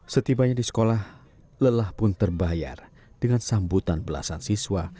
setibanya di sekolah lelah pun terbayar dengan sambutan belasan siswa